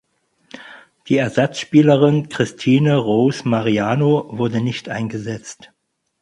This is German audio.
Die Ersatzspielerin Christine Rose Mariano wurde nicht eingesetzt.